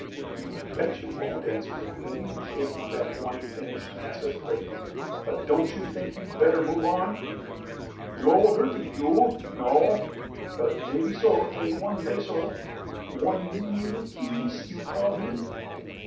"You bet you won't," answered the Queen, shaking back one finished, massive plait. "But don't you think you'd better move on?" "Not hurt y you—no. But maybeso take one beso—one li'l kees, you call him."